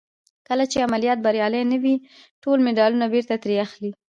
کله چې عملیات بریالي نه وي ټول مډالونه بېرته ترې اخلي.